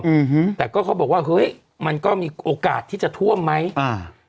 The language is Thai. อืมแต่ก็เขาบอกว่าเฮ้ยมันก็มีโอกาสที่จะท่วมไหมอ่า